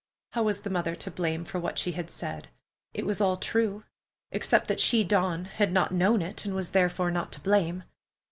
How was the mother to blame for what she had said? It was all true, except that she, Dawn, had not known it, and was therefore not to blame.